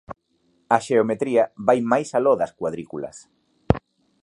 A xeometría vai máis aló das cuadrículas.